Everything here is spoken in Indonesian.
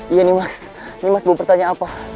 iya nimas nimas belum bertanya apa